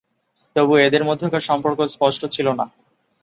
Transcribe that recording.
তবু এদের মধ্যেকার সম্পর্ক স্পষ্ট ছিল না।